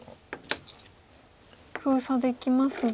封鎖できますが。